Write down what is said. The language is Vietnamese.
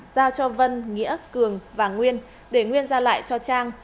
giao cho vân nghĩa cường và nguyên để nguyên giao lại cho trang